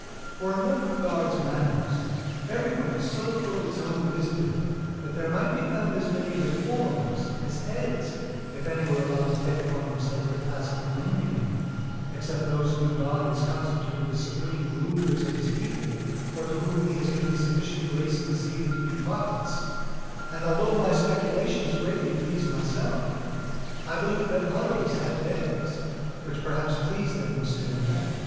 For in what regards manners, every one is so full of his own wisdom, that there might be found as many reformers as heads, if any were allowed to take upon themselves the task of mending them, except those whom God has constituted the supreme rulers of his people or to whom he has given sufficient grace and zeal to be prophets; and although my speculations greatly pleased myself, I believed that others had theirs, which perhaps pleased them still more.